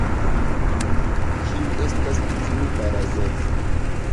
Kiu estas tiu Barazof?